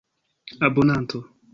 abonanto